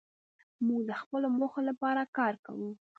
موږ د خپلو موخو لپاره کار کوو.